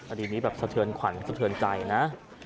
คดีนี้แบบสะเทือนขวัญสะเทินใจนะ